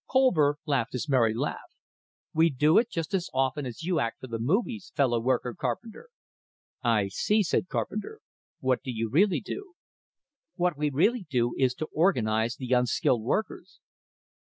Colver laughed his merry laugh. "We do it just as often as you act for the movies, Fellow worker Carpenter!" "I see," said Carpenter. "What do you really do?" "What we really do is to organize the unskilled workers."